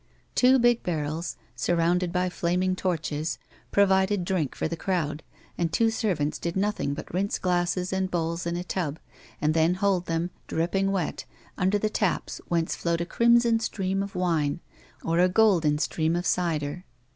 Two big barrels, surrounded by flaming torches, provided drink for the crowd, and two servants did notliing but rinse glasses and bowls in a tub, and then hold them, dripping wet, under the taps whence flowed a crimson stream of wine, or a golden stream of cider.